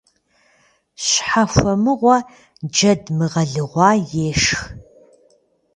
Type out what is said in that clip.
Щхьэхуэмыгъуэ джэд мыгъэлыгъуэ ешх.